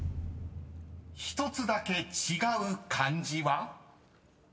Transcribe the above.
［１つだけ違う漢字は？］